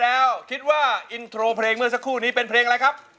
แล้วคิดว่าอินโทรเพลงเมื่อสักครู่นี้เป็นเพลงอะไรครับ